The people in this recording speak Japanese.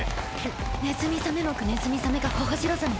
ネズミザメ目ネズミザメ科ホホジロザメね。